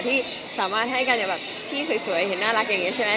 ที่สามารถให้การอย่างแบบที่สวยเห็นน่ารักอย่างนี้ใช่ไหม